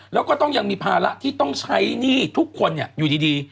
แล้วก็ต้องยังมีภาระที่ต้องใช้หนี้ทุกคนอยู่ดี